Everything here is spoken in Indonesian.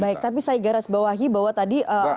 baik tapi saya garis bawahi bahwa tadi